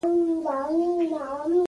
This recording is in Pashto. تاسو ښه کار کوئ